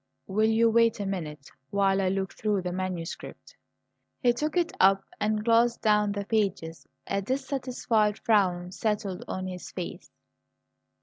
"Will you wait a minute while I look through the manuscript?" He took it up and glanced down the pages. A dissatisfied frown settled on his face.